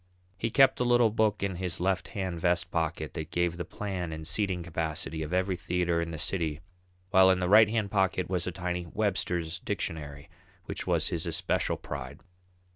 He kept a little book in his left hand vest pocket that gave the plan and seating capacity of every theatre in the city, while in the right hand pocket was a tiny Webster's dictionary which was his especial pride.